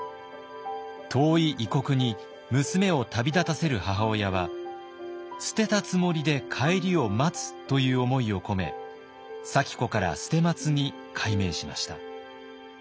遠い異国に娘を旅立たせる母親は「捨てたつもりで帰りを待つ」という思いを込め咲子から「捨松」に改名しました。